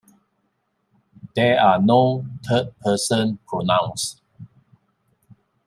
There are no third person pronouns.